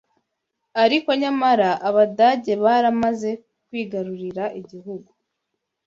ariko nyamara Abadage baramaze kwigarurira igihugu